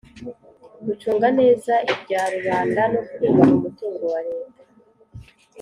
gucunga neza ibya rubanda no kubaha umutungo wa reta